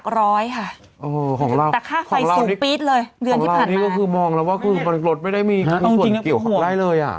ของเรานี่ก็คือมองแล้วว่ารถไม่ได้มีส่วนเกี่ยวภักด์ได้เลยอ่ะ